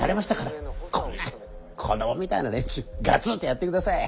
こんな子供みたいな連中ガツンとやってください。